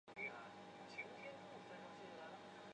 他是关于中国和日本生物技术发展方面的专家。